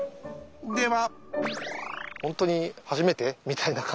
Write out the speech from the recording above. では！